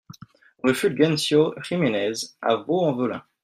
Rue Fulgencio Gimenez à Vaulx-en-Velin